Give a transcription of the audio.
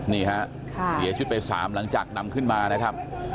นี่ฮะเสียชีวิตไป๓หลังจากนำขึ้นมานะครับ